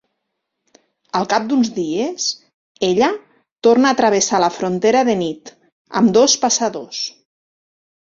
Al cap d'uns dies, ella torna a travessar la frontera de nit amb dos passadors.